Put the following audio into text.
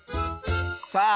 さあ